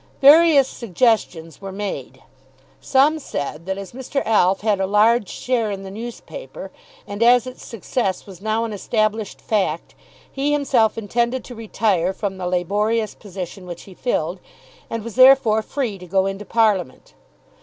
Various suggestions were made. Some said that as Mr. Alf had a large share in the newspaper, and as its success was now an established fact, he himself intended to retire from the laborious position which he filled, and was therefore free to go into Parliament.